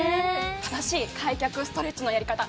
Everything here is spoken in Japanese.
正しい開脚ストレッチのやり方